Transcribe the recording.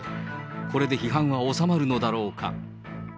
これで批判は収まるのだろうか。